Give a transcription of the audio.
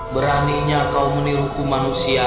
beraninya kau meniruku manusia